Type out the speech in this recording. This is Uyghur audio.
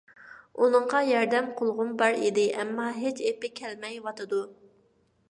ئۇنىڭغا ياردەم قىلغۇم بار ئىدى، ئەمما ھېچ ئېپى كەلمەيۋاتىدۇ.